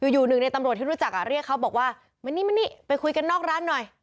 อยู่หนึ่งในตำรวจที่รู้จักเรียกเขาบอกว่ามานี่มานี่ไปคุยกันนอกร้านหน่อย